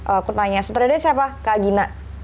aku tanya sutradara siapa kak gita